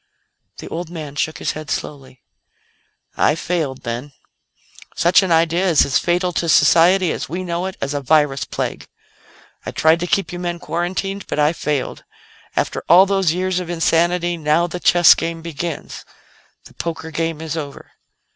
The old man shook his head slowly. "I failed, then. Such an idea is as fatal to society as we know it as a virus plague. I tried to keep you men quarantined, but I failed. After all those years of insanity, now the chess game begins; the poker game is over."